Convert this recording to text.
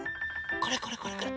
これこれこれこれ。